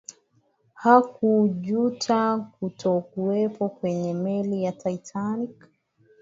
hawakujuta kutokuwepo kwenye meli ya titanic